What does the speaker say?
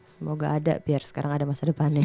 semoga ada biar sekarang ada masa depannya